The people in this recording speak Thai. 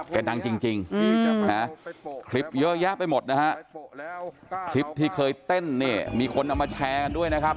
ดังจริงคลิปเยอะแยะไปหมดนะฮะคลิปที่เคยเต้นเนี่ยมีคนเอามาแชร์กันด้วยนะครับ